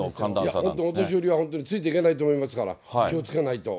本当、お年寄りはついていけないと思いますから、気をつけないと。